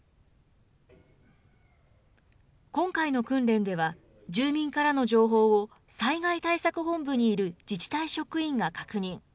今回の訓練では、住民からの情報を災害対策本部にいる自治体職員が確認。